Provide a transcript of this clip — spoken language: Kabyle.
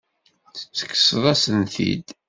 Tekkseḍ-asen-t-id.